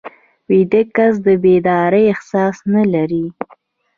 ویده کس د بیدارۍ احساس نه لري